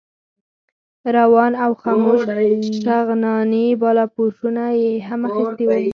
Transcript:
روان او خموش شغناني بالاپوشونه یې هم اخیستي وو.